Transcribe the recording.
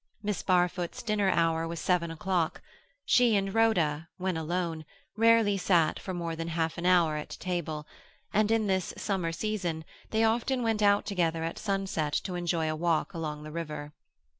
Miss Barfoot's dinner hour was seven o'clock; she and Rhoda, when alone, rarely sat for more than half an hour at table, and in this summer season they often went out together at sunset to enjoy a walk along the river.